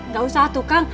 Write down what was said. gak usah tuh kang